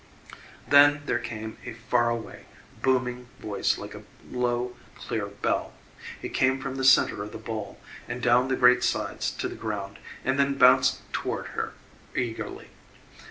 Then there came a far away, booming voice like a low, clear bell. It came from the centre of the bowl and down the great sides to the ground and then bounced toward her eagerly.